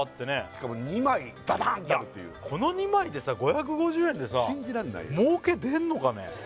しかも２枚ダダンってあるっていうこの２枚でさ５５０円でさもうけ出んのかね？